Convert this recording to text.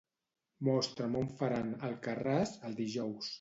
Mostra'm on faran "Alcarràs" el dijous.